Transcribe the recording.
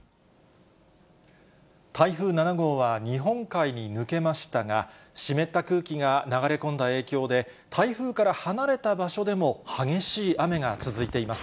台風７号は、日本海に抜けましたが、湿った空気が流れ込んだ影響で、台風から離れた場所でも激しい雨が続いています。